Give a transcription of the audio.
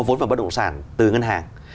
vốn và bất động sản từ ngân hàng